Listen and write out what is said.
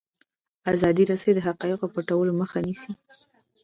ازادې رسنۍ د حقایقو پټولو مخه نیسي.